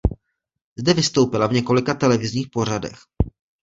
Zde vystoupila v několika televizních pořadech.